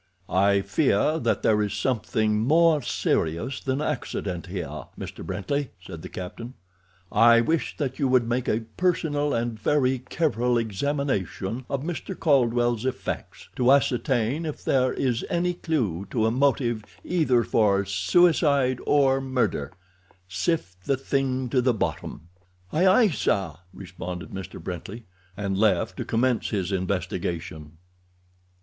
"I fear that there is something more serious than accident here, Mr. Brently," said the captain. "I wish that you would make a personal and very careful examination of Mr. Caldwell's effects, to ascertain if there is any clew to a motive either for suicide or murder—sift the thing to the bottom." "Aye, aye, sir!" responded Mr. Brently, and left to commence his investigation.